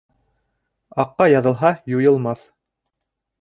Аҡҡа яҙылһа, юйылмаҫ.